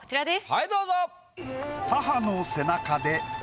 はいどうぞ。